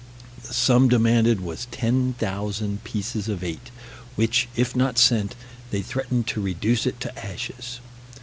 The sum demanded was 10,000 pieces of eight, which if not sent, they threatened to reduce it to ashes.